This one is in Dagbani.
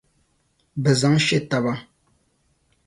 Bɛ zaŋ she taba.